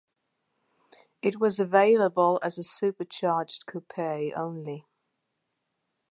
It was available as a Supercharged coupe only.